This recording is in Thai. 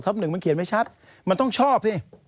มันเขียนไม่ชัดมันต้องชอบสิ